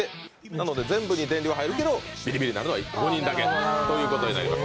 なので全部に電流が入るけど、ビリビリなるのは５人だけということになります。